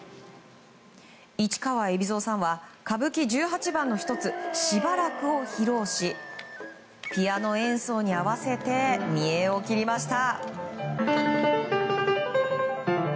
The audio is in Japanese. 市川海老蔵さんは歌舞伎十八番の１つ「暫」を披露しピアノ演奏に合わせて見えを切りました。